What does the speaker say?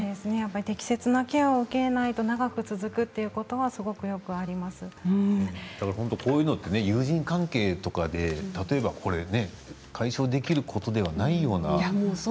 適切なケアを受けないと長く続くということがこういうので友人関係とかで、例えば解消できることではないような。